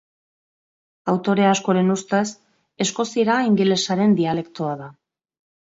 Autore askoren ustez, eskoziera ingelesaren dialektoa da.